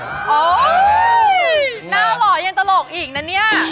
โอ้ยน่าร้อยยังตลกอีกนะเนี่ย